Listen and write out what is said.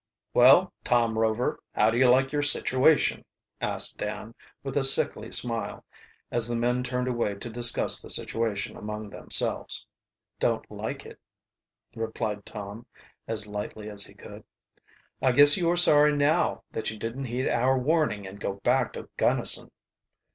"Well, Tom Rover, how do you like your situation?" asked Dan, with a sickly smile, as the men turned away to discuss the situation among themselves. "Don't like it," replied Tom, as lightly as he could. "I guess you are sorry, now, that you didn't heed our warning and go back to Gunnison."